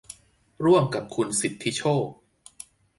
ร่วมกับคุณสิทธิโชค